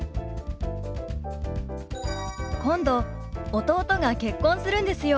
今度弟が結婚するんですよ。